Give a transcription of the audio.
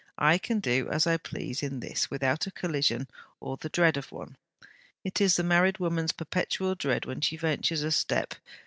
I can do as I please, in this, without a collision, or the dread of one. It is the married woman's perpetual dread when she ventures a step.